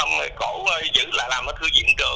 như dựng lại làm một thứ diễn tượng